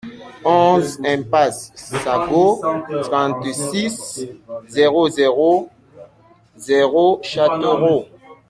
onze impasse Sagot, trente-six, zéro zéro zéro, Châteauroux